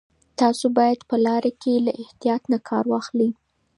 تاسو باید په لاره کې له احتیاط نه کار واخلئ.